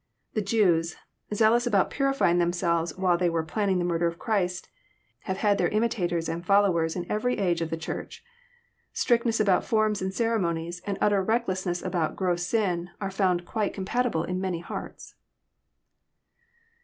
The Jews, zealous about purifying" themselves while they were planning the murder of Christ, have had imitators and followers in every age of the Church. Strictness about forms and ceremo nies, and utter recklessness about gross sin, are found quite compatible in many hearts.